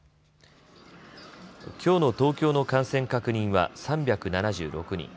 きょうの東京の感染確認は３７６人。